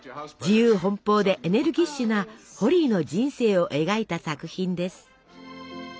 自由奔放でエネルギッシュなホリーの人生を描いた作品です。